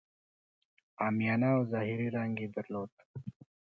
عامیانه او ظاهري رنګ یې درلود.